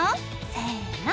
せの。